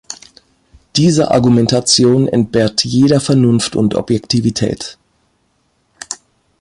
Diese Argumentation entbehrt jeder Vernunft und Objektivität.